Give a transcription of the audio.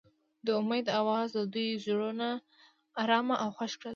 د امید اواز د دوی زړونه ارامه او خوښ کړل.